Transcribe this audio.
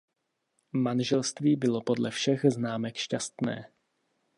Manželství bylo podle všech známek šťastné.